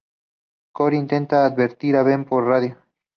Cory intenta advertir a Ben por radio.